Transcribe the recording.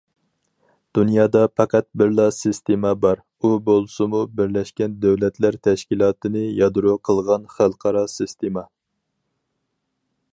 دۇنيادا پەقەت بىرلا سىستېما بار، ئۇ بولسىمۇ بىرلەشكەن دۆلەتلەر تەشكىلاتىنى يادرو قىلغان خەلقئارا سىستېما.